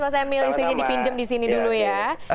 mas emil istrinya dipinjam disini dulu ya